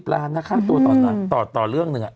ล้านนะค่าตัวต่อเรื่องหนึ่ง